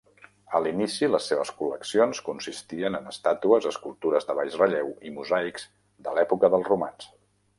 A l'inici les seves col·leccions consistien en estàtues, escultures de baix relleu i mosaics de l'època dels romans.